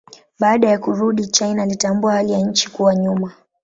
Baada ya kurudi China alitambua hali ya nchi kuwa nyuma.